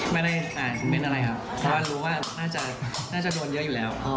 พี่กันอาจรู้ว่าน่าจะโดนเยอะอยู่แล้ว